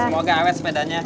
semoga awet sepedanya